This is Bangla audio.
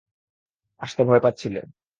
আসতে ভয় পাচ্ছিলেন।